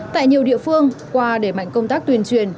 tại nhiều địa phương qua đẩy mạnh công tác tuyên truyền